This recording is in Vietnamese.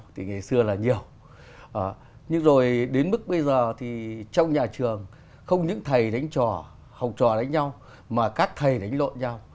trong nhà trường không những thầy đánh trò học trò đánh nhau mà các thầy đánh lộ nhau